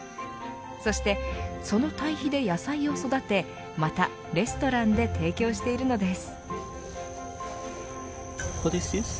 そしてそのたい肥で野菜を育てまた、レストランで提供しているのです。